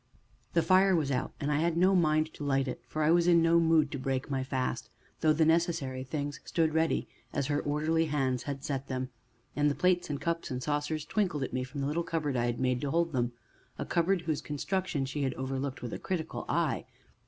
The fire was out and I had no mind to light it, for I was in no mood to break my fast, though the necessary things stood ready, as her orderly hands had set them, and the plates and cups and saucers twinkled at me from the little cupboard I had made to hold them; a cupboard whose construction she had overlooked with a critical eye.